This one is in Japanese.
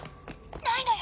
ないのよ